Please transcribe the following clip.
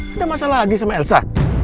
tidak masalah lagi sama elsa